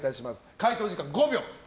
解答時間は５秒。